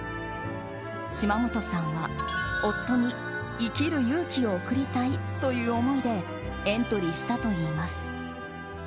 島本さんは夫に生きる勇気を送りたいという思いでエントリーしたといいます。